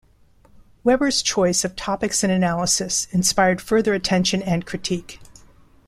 Weber's choice of topics and analysis inspired further attention and critique.